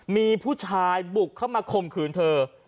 มีผู้ชายบุกเข้ามาข่มขืนเธอ